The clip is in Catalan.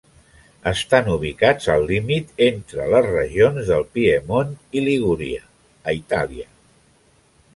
Estan ubicats al límit entre les regions del Piemont i Ligúria a Itàlia.